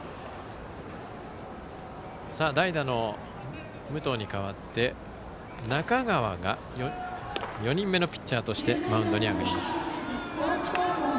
代打の武藤に代わって、中川が４人目のピッチャーとしてマウンドに上がります。